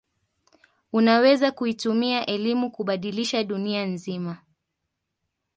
unaweza kuitumia elimu kubadilisha dunia nzima